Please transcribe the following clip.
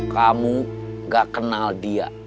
kamu nggak kenal dia